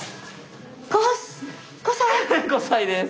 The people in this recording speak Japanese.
５歳です。